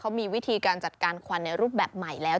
เขามีวิธีการจัดการควันในรูปแบบใหม่แล้ว